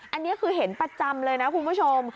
อันนี้คือเห็นประจำเลยนะคุณผู้ชม